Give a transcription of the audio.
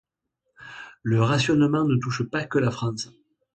Le rationnement ne touche pas que la France.